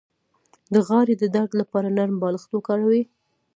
د غاړې د درد لپاره نرم بالښت وکاروئ